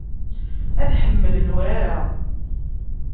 Ad ḥemmlen urar-a.